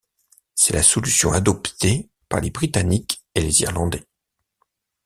C'est la solution adoptée par les Britanniques et les Irlandais.